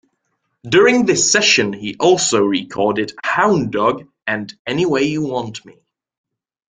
During this session he also recorded "Hound Dog", and "Any Way You Want Me".